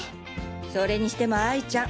それにしても哀ちゃん